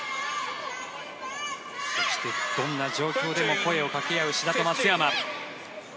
そして、どんな状況でも声をかけ合う志田と松山。